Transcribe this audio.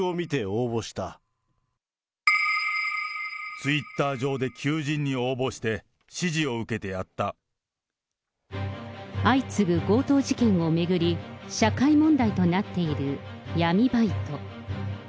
ツイッター上で求人に応募して、相次ぐ強盗事件を巡り、社会問題となっている闇バイト。